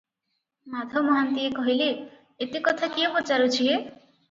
ମାଧ ମହାନ୍ତିଏ କହିଲେ, ଏତେ କଥା କିଏ ପଚାରୁଛି ହେ?